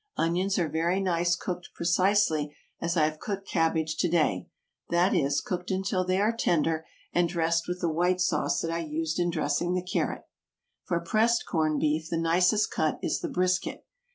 Onions are very nice cooked precisely as I have cooked cabbage to day; that is, cooked until they are tender, and dressed with the white sauce that I used in dressing the carrot. For pressed corn beef the nicest cut is the brisket.